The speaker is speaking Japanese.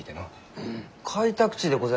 開拓地でございますろう？